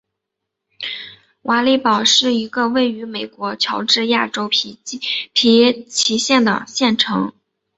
瓦利堡是一个位于美国乔治亚州皮奇县的城市。